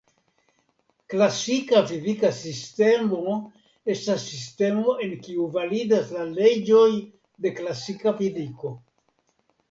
Klasika fizika sistemo estas sistemo en kiu validas la leĝoj de klasika fiziko.